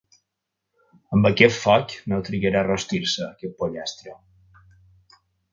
Amb aquest foc, no trigarà a rostir-se, aquest pollastre.